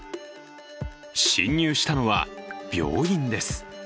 侵入したのは病院です。